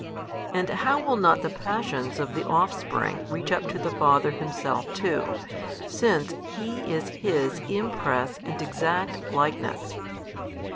And how will not the passions of the offspring reach up to the Father Himself too, since He is His Impress and Exact Likeness?